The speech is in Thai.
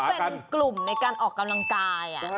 คล้ายกับว่าเขาเป็นกลุ่มในการออกกำลังกายอะ